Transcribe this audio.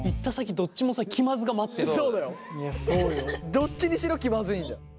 どっちにしろ気まずいんだよ。